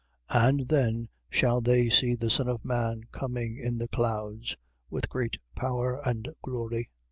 13:26. And then shall they see the Son of man coming in the clouds, with great power and glory.